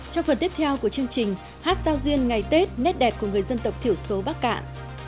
trong phần tiếp theo của chương trình hát giao duyên ngày tết nét đẹp của người dân tộc thiểu số bắc cạn